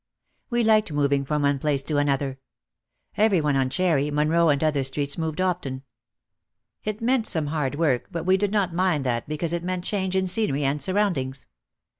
We liked moving from one place to another. Every one on Cherry, Monroe and other streets moved often. It meant some hard work but we did not mind that be cause it meant change in scenery and surroundings.